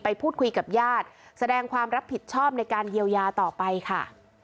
พูดคุยกับญาติแสดงความรับผิดชอบในการเยียวยาต่อไปค่ะ